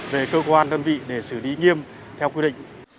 về cơ quan đơn vị để xử lý nghiêm theo quy định